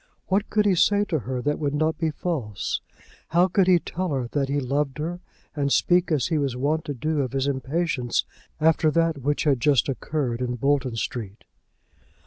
What could he say to her that would not be false? How could he tell her that he loved her, and speak as he was wont to do of his impatience, after that which had just occurred in Bolton Street?